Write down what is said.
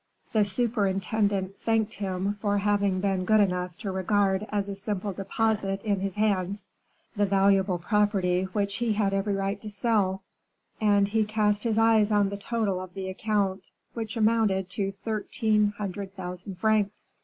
The superintendent thanked him for having been good enough to regard as a simple deposit in his hands, the valuable property which he had every right to sell; and he cast his eyes on the total of the account, which amounted to thirteen hundred thousand francs.